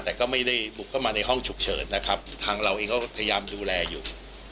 แต่ก็ไม่ได้บุกเข้ามาในห้องฉุกเฉินนะครับทางเราเองก็พยายามดูแลอยู่